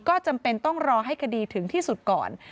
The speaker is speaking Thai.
ก็จำเป็นต้องรอให้คดีถึงที่สุดก่อน